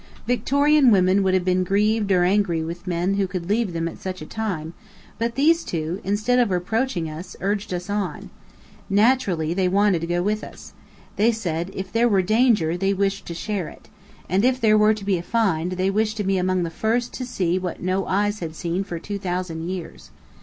Victorian women would have been grieved or angry with men who could leave them at such a time; but these two, instead of reproaching us, urged us on. Naturally, they wanted to go with us. They said, if there were danger, they wished to share it. And if there were to be a "find," they wished to be among the first to see what no eyes had seen for two thousand years.